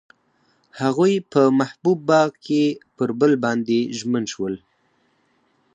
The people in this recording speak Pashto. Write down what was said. هغوی په محبوب باغ کې پر بل باندې ژمن شول.